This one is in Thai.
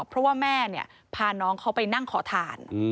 เพราะว่าแม่พาน้องเขาไปนั่งขอทาน